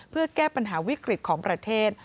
เพื่อแก้ปัญหาวิกฤตของประเทศ